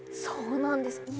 そうなんです